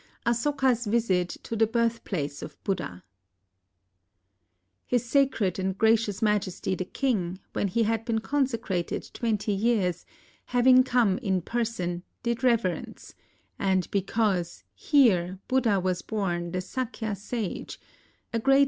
ASOKA'S visit to the birthplace of BUDDHA His Sacred and Gracious ^Majesty the King, when he had been consecrated twenty years, ha\ ing come in per son, did reverence; and, because "Here Buddha was born, the Sakya sage," a great